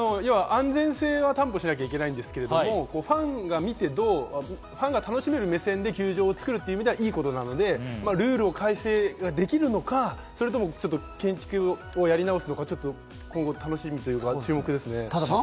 安全性が担保しなきゃいけないんですけれども、ファンが見てどう楽しめる目線で球場を作るということでは良いことなので、ルールを改正できるのか、それとも建築をやり直すのか。